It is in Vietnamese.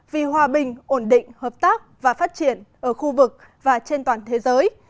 vì hòa bình ổn định hợp tác và phát triển ở khu vực và trên toàn thế giới